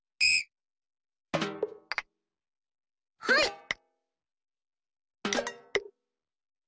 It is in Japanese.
はい。